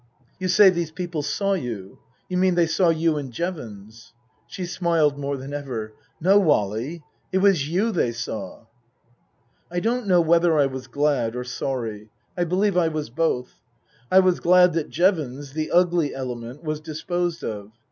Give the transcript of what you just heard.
You say these people saw you. You mean they saw you and Jevons ?" She smiled more than ever. " No, Wally. It was you they saw." I don't know whether I was glad or sorry. I believe I was both. I was glad that Jevons the ugly element was disposed of.